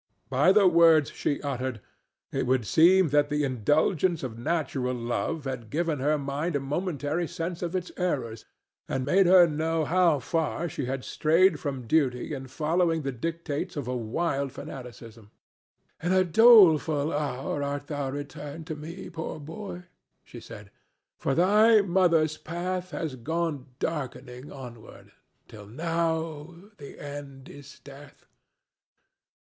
By the words she uttered it would seem that the indulgence of natural love had given her mind a momentary sense of its errors, and made her know how far she had strayed from duty in following the dictates of a wild fanaticism. "In a doleful hour art thou returned to me, poor boy," she said, "for thy mother's path has gone darkening onward, till now the end is death.